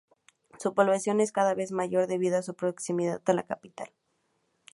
Su población es cada vez mayor debido a su proximidad a la capital.